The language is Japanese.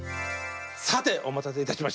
さてお待たせいたしました。